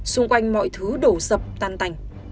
xung quanh mọi thứ đổ sập tan tành